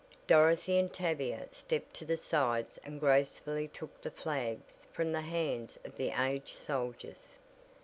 Dorothy and Tavia stepped to the sides and gracefully took the flags from the hands of the aged soldiers.